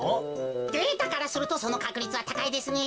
データからするとそのかくりつはたかいですね。